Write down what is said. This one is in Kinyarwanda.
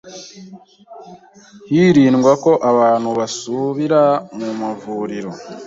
hirindwa ko abantu basubira mu mavuriro”.